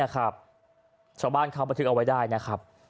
นี่ครับชาวบ้านเขามาถึงเอาไว้ได้นะครับ